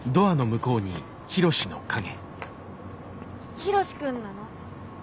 ヒロシ君なの？